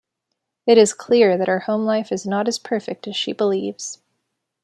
It is clear that her home life is not as perfect as she believes.